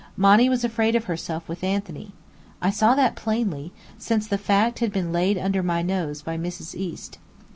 Monny was afraid of herself with Anthony. I saw that plainly, since the fact had been laid under my nose by Mrs. East.